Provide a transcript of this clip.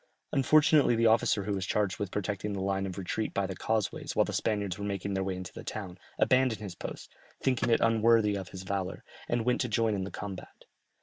Unfortunately the officer who was charged with protecting the line of retreat by the causeways while the Spaniards were making their way into the town, abandoned his post, thinking it unworthy of his valour, and went to join in the combat.